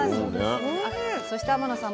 そして天野さん